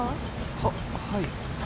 はっはい。